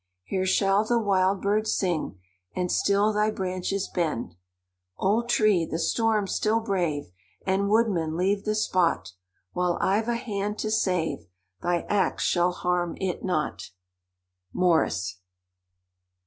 Here shall the wild bird sing, And still thy branches bend. Old tree! the storm still brave! And, woodman, leave the spot; While I've a hand to save, Thy axe shall harm it not."—MORRIS.